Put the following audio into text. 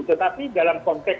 tetapi dalam konteks